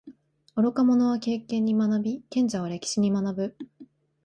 愚か者は経験に学び，賢者は歴史に学ぶ。